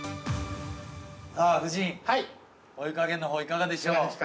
◆さあ夫人、お湯加減のほういかがでしょう？